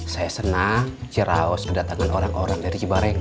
saya senang ceraos kedatangan orang orang dari cibareng